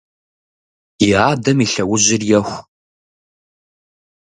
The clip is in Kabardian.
И адэм и лъэужьыр еху.